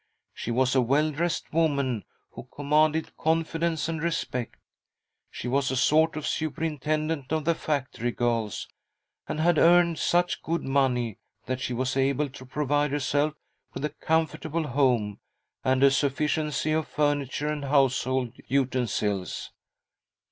She was a well dressed woman who commanded confidence and respect. She was a sort of superintendent of the factory girls, and had earned such good money that she was able to provide herself with a comfort able home, and a sufficiency of furniture and house hold utensils.